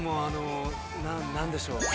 ◆なっ、何でしょう。